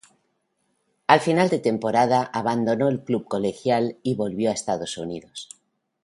A final de temporada abandonó el club colegial y volvió a Estados Unidos.